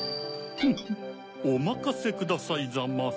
フッおまかせくださいざます。